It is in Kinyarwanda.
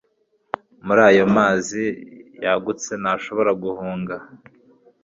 muri ayo mazi yagutse, ntashobora guhunga